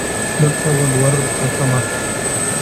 دلته ولور گټمه;